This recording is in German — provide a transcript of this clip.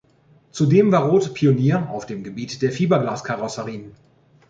Zudem war Roth Pionier auf dem Gebiet der Fiberglas-Karosserien.